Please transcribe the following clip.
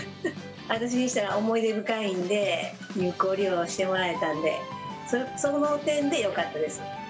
私にしたら思い出深いんで、有効利用してもらえたんで、その点でよかったです。